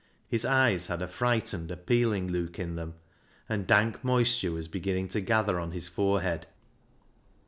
His eyes had a frightened, appealing look in them, and dank moisture was beginning to gather on his forehead.